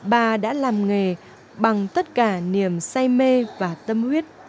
bà đã làm nghề bằng tất cả niềm say mê và tâm huyết